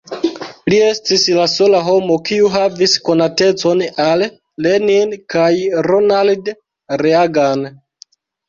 Li estis la sola homo, kiu havis konatecon al Lenin kaj Ronald Reagan.